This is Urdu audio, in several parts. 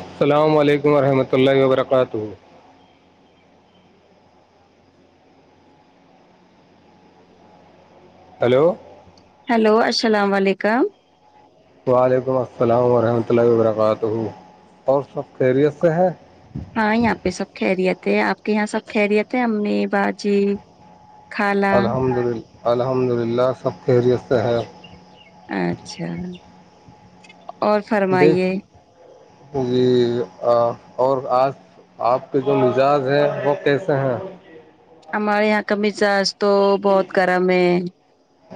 السلام علیکم ورحمۃ اللہ و برکاتہ ہلو ہیلو السلام علیکم وعلیکم السلام ورحمۃ اللہ وبرکاتہ اور سب خیریت سے ہے ہاں یہاں پہ سب کہری آپ کے یہاں سب خیریت ہے امی باجی خالہ الحمد للہ الحمد للہ سب خیریت سے ہے اچھا اور فرمائیے دیکھیے جی اور آج آپ کے جو مزاج ہیں وہ کیسے ہیں ہمار یہاں کمی تو بہت گرم ہے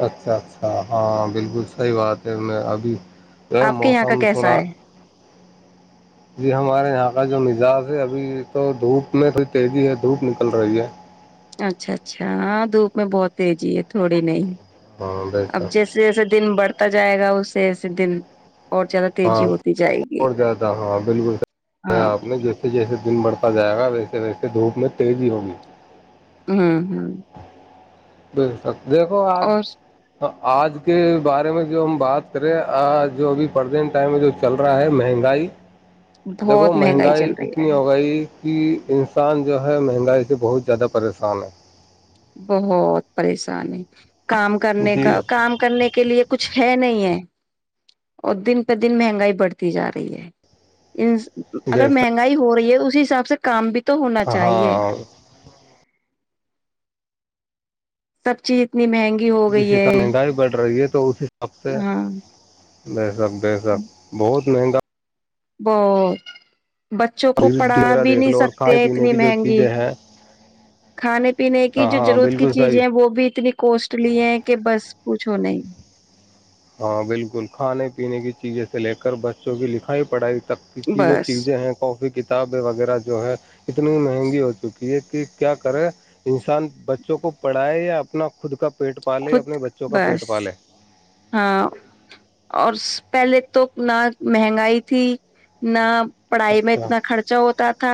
اچھا اچھا ہاں بالکل صحیح بات ہے میں ابھی جو ہے آپ کے یہاں کا موسم کیسا تھوڑا ہے جی ہمارے یہاں کا جو مزاج ہے ابھی تو دھوپ میں تھوڑی تیزی ہے دھوپ نکل رہی ہے اچھا اچھا ہاں دھوپ میں بہت تیزی ہے تھوڑی نہیں ہاں بے اب شک جیسے جیسے دن بڑھ ہوتا جائے گا اسے ایسے دن اور زیادہ ہاں تیزی ہوتی جائے گی اور زیادہ ہاں بالکل ہاں آپ نے جیسے جیسے دن بڑھتا جائے گا ویسے ویسے کے دھوپ میں تیزی ہوگی ہوں ہوں بی سک دیکھو آج اور آج کے بارے میں جو ہم بات کریں آج جو ابھی پرزینٹ ٹائم میں جو چل رہا ہے مہنگائی دیکھو بہت مہنگائی چل رہی اتنی ہے ہو گئی کہ انسان جو ہے مہنگائی سے بہت زیادہ پریشان ہے بہت پریشانی کام کرنے جی کا کام کرنے کے لیے کچھ ہے نہیں ہے اور دن پر دن مہنگائی بڑھتی جا رہی ہے اگر بےشک مہنگائی ہو رہی ہے اسی حساب سے کام بھی [unintelligible] تو ہونا چاہیے ہاں [unintelligible] سب چیز [inaudible] اتنی مہنگی ہو گئی ہے [unintelligible] چوسے [inaudible] سب سے ہاں [unintelligible] ب [inaudible] سک بے سک بہت [unintelligible] مہنگا [inaudible] ب [unintelligible] بچوں کو پڑھا وغیرہ بھی دیکھ نہیں لو اور سکتے کھانے ہیں پینے اتنی کی جو مہنگی چیزیں ہیں کھانے پینے کی ہاں جو ہاں ضرورت کی بالکل صحیح چیزیں ہیں وہ بھی اتنی کوسٹلی ہیں کہ بس [unintelligible] پوچھو نہیں [unintelligible] ہاں بالکل کھانے پینے کی چیزیں سے لے کر بچوں کی لکھائی پڑھائی [unintelligible] تک ک کی جو بس چیزیں ہیں کافی ک [unintelligible] کتابیں وغیرہ جو ہے [unintelligible] اتنی مہنگی ہو چکی [unintelligible] یہ کہ کیا کرے انسان بچوں کو پڑھائے یا اپنا خود کا [unintelligible] پیٹ پالے خود اپنے بچوں کا پیٹ بس پالے [unintelligible] ہاں اور پہلے تو نہ مہنگائی تھی نہ [unintelligible] پڑھائی میں اچھا اتنا خرچہ ہوتا تھا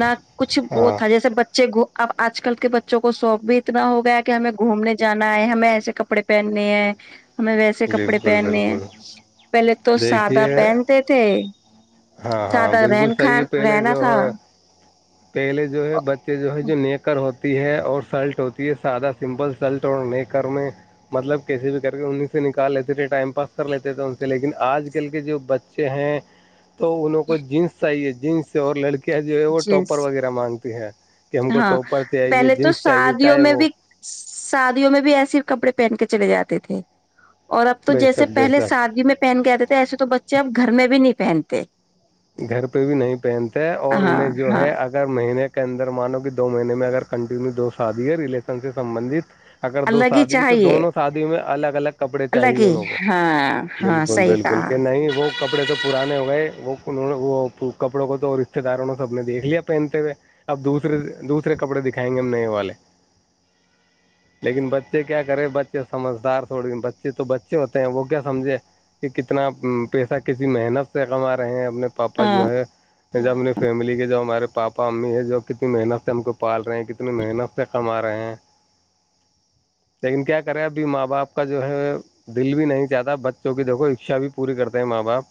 نہ کچھ وہ ہاں تھا جیسے بچے گ [unintelligible] اب آج کل کے بچوں کو شوق بھی اتنا ہو گیا ہے کہ ہمیں گھومنے جانا ہے ہمیں ایسے کپڑے پہننے [unintelligible] ہیں ہمیں ویسے کپڑے بالکل پہننے ہیں بالکل پہلے تو سادہ دیکھیے پہنتے تھے [unintelligible] ہاں ہاں بالکل رہن صحیح کھان پہلے رہنا جو تھا ہے [unintelligible] پہلے جو ہے بچے جو ہے جو نیکر ہوتے [unintelligible] ہوتی ہے اور سلٹ ہوتی ہے سادہ سمپل سلٹ اور ن کرنے مطلب کیسے بھی کر کے انہیں سے نکال لیتے تھے ٹائم پاس کر لیتے تھے ان سے لیکن آج کل کے جو بچے ہیں [unintelligible] تو انوں کو جینس چاہیے [unintelligible] جس سے اور لڑک [unintelligible] جو ہے وہ جینس ٹاپر وغیرہ مانگ [inaudible] تی ہے [inaudible] ہاں پہلے تو چاہیے شادیوں چاہے میں وہ بھی شادیوں میں بھی ایسی کپڑے پہن کے چلے جاتے تھے [unintelligible] اور اب تو بے جیسے شک بے پہلے شک شادی میں پہن کے آتے تھے ایسے تو بچ [unintelligible] جب گھر میں بھی نہیں پہنتے [unintelligible] گھر پہ بھی نہیں پہنتے اور ہاں انہیں جو ہاں ہے اگر مہینے کا اندر مانو کہ دو مہینے میں اگر کنٹینیو دو شادی ہے ریلیشن سے سبندت اگر دو الگ ہی شادی تو چاہیے دونوں شادی میں الگ الگ کپڑے الگ چاہیے ہی انوں کو ہاں ہاں بالکل صحیح بالکل کہا کہ نہیں وہ کپڑے تو پرانے ہو گئے وہ انہوں نے وہ کپڑوں کو تو رشتے داروں نے سب نے دیکھ لیا پہنتے ہوئے اب دوسرے دوسرے کپڑے دکھائیں گے ہم نئے والے لیکن بچے کیا کرے بچے سمجھدار تھوڑ بچے تو بچے ہوتے ہیں وہ کیا سمجھے کہ کتنا پیسہ کسی محنت سے کما رہے ہیں اپنے پاپا ہاں جو ہے جب اپنی فیملی کے جا ہمارے پاپا پپا امی ہے جو کتنی محنت سے ہم کو پال رہے ہیں کتنی محنت سے کما رہے ہیں لیکن کیا کرے ابھی ماں باپ کا جو ہے دل بھی نہیں چاہتا بچوں کی دیکھو اچھا بھی پوری کرتے ہیں ماں باپ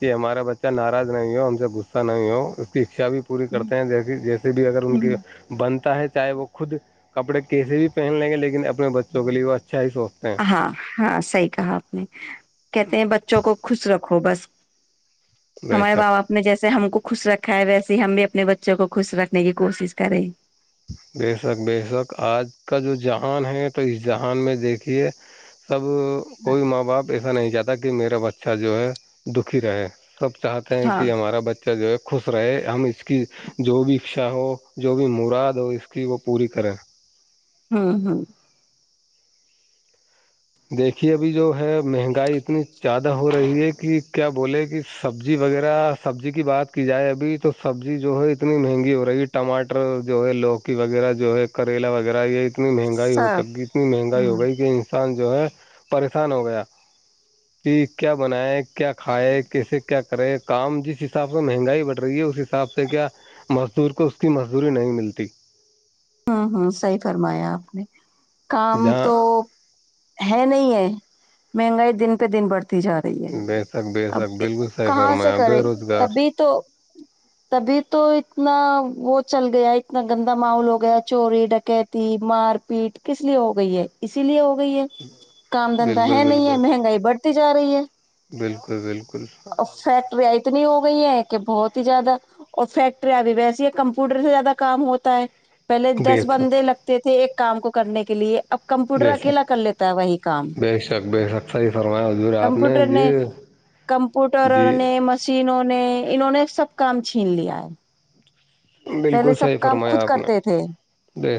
کہ ہمارے بچ ناراض نہیں ہو ہم سے گصہ نہیں ہوچشا بھی پوری کرتے ہیں جی جیسے بھی اگر ان ہوں، کی بن ہے چاہے وہ خود کپڑے کیسے بھی پہن لیں گے لیکن اپنے بچوں کے لیے وہ اچھا ہی سوچتے ہیں ہاں ہاں صحیح کہا آپ نے ہیں بچوں کو خوش رکھو بس بے ہمارے شک ماںاپ نے جیسے ہم کو خوش رکھا ہے ویسے ہم بھی اپنے بچوں کو خوش رکھنے کی کوشش کریں بے شک بے شک آج کا جو جہان ہے تو اس جہان میں دیکھیے تب کوئی ماں باپ ایسا نہیں چاہتا کہ میرا بچہ جو ہے دکھی رہے سب چاہتے ہیں ہاں کہ ہمارا بچہ جو ہے خوش رہے ہم اس کی جو بھی اچشا ہو جو بھی مراد تو اس کی وہ پوری کریں ہوں ہاں دیکھیے ابھی جو ہے مہنگائی اتنی زیادہ ہو رہی ہے کہ کیا بولے کہ سبزی وغیرہ سبزی کی بات کی جائے ابھی تو سبزی جو ہے اتنی مہنگی ہو رہی ہے ٹماٹر جو ہے لوکی وغیرہ جو ہے کریلا وغیرہ یہ اتنی مہنگائی ہو سب سک گی اتنی مہنگائی ہاں ہو گئی کہ جو ہے پریشان ہو گیا کہ کیا بنایا کہ کیا کھاائے کیسے کیا کرے کام جس حساب سے مہنگائی بڑھ رہی ہے اس حساب سے کیا مزدور کو اس کی مزدوری نہیں ملتی ہوں ہوں صحی فرمایا آپ نے کام جہاں تو ہے نہیں ہے مہنگائی دن پہ دن بڑتی جا رہی ہے بے شک بے اب شک بالکل صحیح کہاں سے فرمایا بے کرے روزگار تبھی تو تبھی تو نہ وہ چل گیا اتنا گندا ماحول ہو گیا چوری ڈکیتی مار پیٹ کس لیے ہو گئی ہے اسی لیے ہوگئی گئی ہے کام دھندا ہے بالکل نہیں ہے بالکل مہنگائی بڑھتی جا رہی ہے بالکل بالکل اور فیکٹریاں اتنی ہو گئی ہیں کہ بہت زیادہ اور فیکٹریاں بھی ویسے یہ کمپیوٹر سے زیادہ کام ہوتا ہے پہلے بے دس شک بندے لگتے تھے ایک کام کو کرنے کے لیے اب کمپیوٹر بے شک اکیلا کر لیتا ہے وہی کام بے شک بے شک صحیح فرمایا حضور آپ کمپیوٹر نے جی کمپوٹر جی نے مشینوں نے انہوں نے سب کام چھین لیا ہے بالکل پہلے سب کام خود کرتے تھے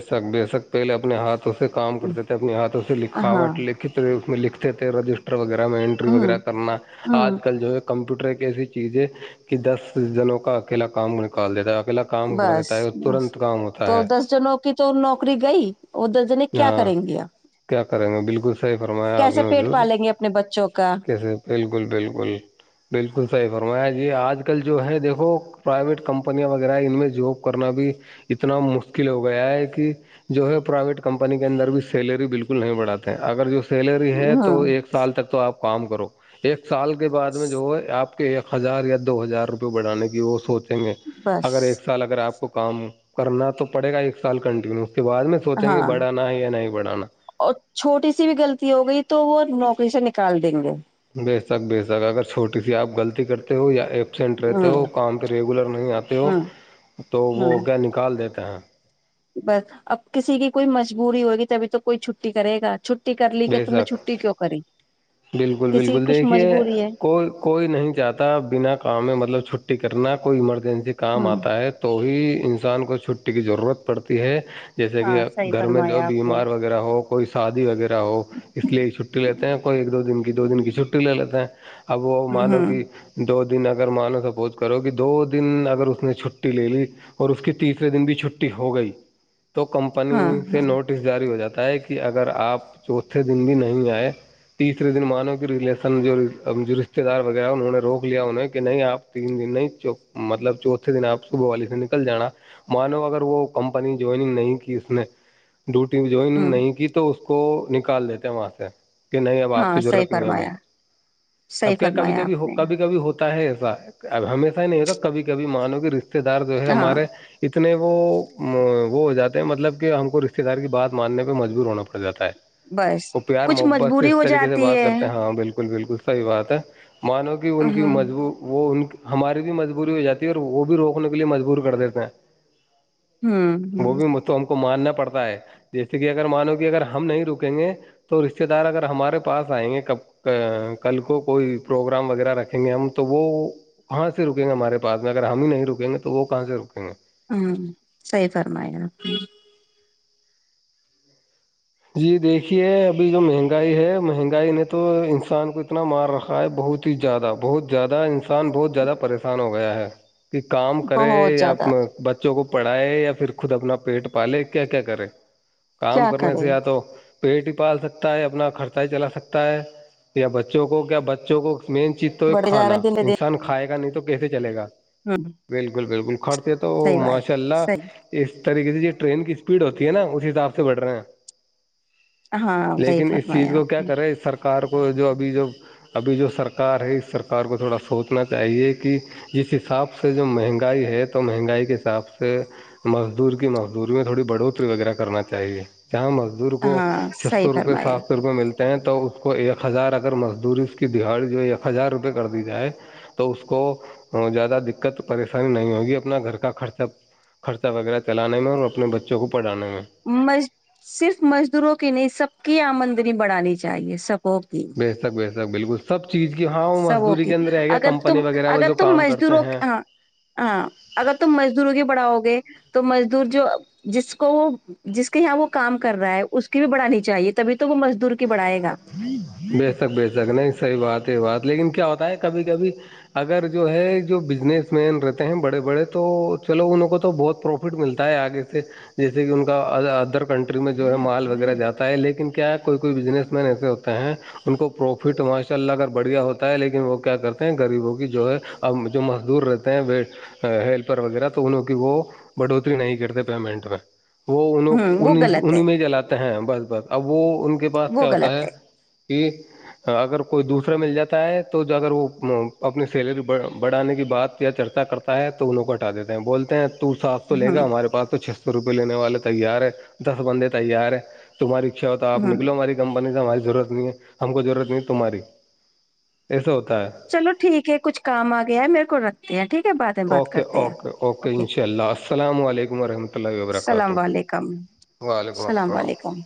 س بے شک پہلے اپنے ہاتھ سے کام کرتے تھے اپنے ہاتھوں ہاں لکھاوٹ لکھت لکھتے تھے رجسٹر وغیرہ میں اینٹری ہوں وغیرہ کرنا ہوں آج کل جو ہے کمپیوٹر ایک ایسی چیز ہے کہ دس جنوں کا اکیلا کام نکال دیتا ہے اکیلا کام کر بس دیتا ہے اور بس ترنت کام ہوتا تو ہے دس جنوں کی تو نوکری گئی وہ دس جنے کیا ہاں کریں گے آپ کیا کریں گے بالکل صحیح فرمایا آپ کیسے نے پیٹ حضور پالیں گے اپنے بچوں کا کیسے بالکل بالکل بالکل صحیح فرمایا یہ آج کل جو ہے دیکھو پرائیویٹ کمپنیاں وغیرہ ان میں جاب کرنا بھی اتنا مشکل ہو گیا ہے کہ جو ہے پرائیویٹ کمپنی کے اندر بھی سیلری بالکل نہیں بڑھاتے اگر جو سیلری ہے ہاں تو ایک سال تک تو آپ کام کرو ایک سال کے بعد میں جو آپ ایک ہزار یا دو ہزار روپئے بڑانے کی وہ سوچ ہ گے بس اگر ایک سال اگر آپ کو کو کام کرنا تو پڑے گا ایک سال کنٹینیو اس کے بعد میں سوچیں گے ہاں بڑھانا ہے یا نہیں بڑھانا اور چھوٹی سی بھی غلطی ہو گئی تو وہ نوک پشا نکال دیں گے بیے تک بیے تک اگر چھوٹی سی آپ غلطی کرتے ہو یا ایبسینٹ رہتے ہوں ہو کام پہ ریگولر نہیں آتے ہو ہوں تو وہ ہو ہوں گیا نکال دیتے کہاں بس اب کسی کی کوئی مجبوری ہوگی ت ابھی تو کوئی چھٹی کرے گا چ بے شک بالکل کسی کی بالکل کچھ دیکھیے مجبوری ہے کوئی کوئی نہیں چاہتا بنا کام میں مطلب چھ ٹکٹ نہ کوئی ایمرجنسی کام ہوں آتا ہے تو ہی انسان کو چھٹی کی ضرورت پڑتی ہے جیسے ہاں کہ صحیح گھر میں جو فرمایا آپ نے بیمار وغیرہ ہو کوئی شادی وغیرہ اس لیے چھٹی لیتے ہیں کوئی ایک دو دن کی دو دن کی چھٹی لے لیتے ہیں اب وہ ہوں مانو ہوں کہ دو دن اگر مانو سپوز کرو کہ دو دن اگر اس نے چھٹی لے لی اور اس کی تیسرے دن بھی چھٹی ہو گئی تو کمپنی ہاں سے ہاں نوٹس جاری ہو جاتا ہوتا ہے کہ اگر آپ چوتھے دن بھی نہیں آئے تیسرے دن مانو کی ریلیشن جو جو رشتے دار وغیرہ انہوں نے روک لیا انہیں کہ نہیں آپ تین دن نہیں مطلب چوتھے دن آپ صبح والی سے نکل جانا مانو اگر وہ کمپنی جوائننگ نہیں کی اس نے ڈیوٹی جوائنگ ہوں نہیں کی تو تو نکال لیتے ہیں وہاں سے کہ نہیں اب آپ ہاں کی صحیح ضرورت نہیں ہے ہمیں فرمایا صحیح اب کیا کبھی فرمایا کبھی آپ ہو نے کبھی کبھی ہوتا ہے ایسا اب ہمیشہ ہی نہیں ہوتا کبھی کبھی مانو کی رشتے رشتے دار جو ہے ہاں ہمارے اتنے وہ وہ ہو جاتے ہیں مطلب کہ ہم کو رشتے دار کی بات ماننے پہ مجبور ہونا پڑ جاتا ہے بس وہ پیار کچھ محبت سے مجبوری اس ہو طریقے سے جاتی بات ہے کرتے ہیں ہاں بالکل بالکل صحی بات ہے مانو کہ ان کی ہوں مضبوط وہ ان ہماری بھی مجبوری ہو جاتی ہے اور وہ بھی روکنے کے لیے مجبور کر دیتے ہیں ہوں ہ وہ بھی تو ہم ماننا پڑتا ہے جیسے کہ اگر مانو کہ اگر ہم نہیں رک رکیں گے تو رشتے دار اگر ہمارے پاس آئیں گےب کل کو کوئی پروگرام وغیرہ رکھیں گے ہم تو وہ کہاں سے رکیں گے ہمارے پاس میں اگر ہم ہی نہیں رکیں گے تو وہ کہاں سے رکیں گے ہوں سی فرم جی دیکھیے ابھی جو مہنگائی ہے مہنگائی نے تو انسان کو اتنا مار رکھا ہے بہت ہی زیادہ بہت زیادہ انسان بہت زیادہ پریشان ہو گیا ہے کہ کام کرے بہت یا زیادہ ب بچوں کو پڑھائے یا پھر خود اپنا پیٹ پالے کیا کیا کرے کام کیا کرنے کرے سے آیاد پیٹ ہی پال سکتا ہے اپنا خرچہ ہی چلا سکتا ہے یا بچوں کو کیا بچوں کو مین چیز تو ہے بڑے جا کھانا رہے دن دن انسان کھائے گا نہیں تو تو کیسے چلے گا ہوں بالکل بالکل کھڑتے تو صحیح بات ماشاء اللہ صحیح اس طریقے سے جو ٹرین کی اسپیڈ ہوتی ہے نا اس حساب سے بڑ رہے ہیں ہاں صحیح لیکن اس چیز فرمایا کو آپ کیا نے کرے سرکار سرکار کو جو ابھی جو ابھی جو سرکار ہے اس سرکار کو تھوڑا سوچنا چاہیے کہ جس حساب سے جو مہنگائی ہے تو مہنگائی کے حساب سے مزدور کی مزدوری میں تھوڑی بڑھوتری وغیرہ کرنا چاہیے جہاں مزدور کو ہاں چھ صحیح سو روپئے فرمایا سات سو روپئے ملتے ہیں تو اس کو ایک ہزار اگر مزدوری اس کی دہاڑی جو ہے ایک ہزار روپئے کر دی جائے تو اس کو زیادہ دقت پریشانی نہیں ہوگی اپنا گھر کا خرچہ خرچہ وغیرہ چلانے میں اور اپنے بچوں کو پڑھانے میں مج صرف مج دروں کی نہیں سب کی آمدنی بڑانی چاہیے سب اوکی س بالکل سب چیز کی ہاں وہ سب مزدوری اک کے اندر رہ گیا اگر کمپنی تم وغیرہ میں اگر جو تم کام کرتے مزدوروں ہیں ہاں ہاں اگر تم مزدوروں کی بڑھاؤ گے تو مزدور جو جس کو وہ جس کے یہاں وہ کام کر رہا ہے اس کی بھی بڑھانی چاہیے تبھی تو وہ مزدور کی بڑھائے گا بیچ تک بیچ تک نہیں صحیح بات بات لیکن کیا ہوتا ہے کبھی کبھی اگر جو ہے جو بزنس مین رہتے ہیں بڑے بڑے تو چلو ان کو تو بہت پروفٹ ملتا ہے آگے سے جیسے کہ ان کا ادر کنٹری میں جو ہے مال وغیرہ جاتا ہے لیکن کیا ہے کوئی کوئی بزنس ایسے ہوتے ہیں ان کو پروفٹ ماشاء اللہ اگر بڑھیا ہوتا ہے لیکن وہ کیا کرتے ہیں غریبوں کی جو ہے ا جو مزدور رہتے ہیں ہیلپر وغیرہ تو انوں کی وہ بڑھوتری نہیں کرتے پیمنٹ میں وہ ان ہوں وہ ان غلط ہے ان میں جلاتے ہیں بس بات اب وہ ان کے وہ کیا ہوتا غلط ہے کہ اگر کوئی دوسرا مل جاتا ہے تو اگر وہ اپنی سیلری بڑھانے کی بات یا چرچا کرتا ہے تو انہوں کو ہٹا دیتے ہیں بولتے ہیں توور صاف تو لے گا ہوں ہمارے پاس تو چ روپئے لینے والے تیار ہیں دس بندے تیار ہیں تمہاری ہوتا آپ ہوں نکلو ہماریے ب ہماری ضرورت نہیں ہے ہم کو ضرورت نہیں ہے تمہاری ایسے ہوتا ہے چلو ٹھیک ہے کچھ کام آ گیا ہے میرے کو رکھ یہ ھیک اوکے اوکے اوکے انشاء اللہ السلام علم رحمۃہ السلام علیکم وعلیکم اللام السلام علیکم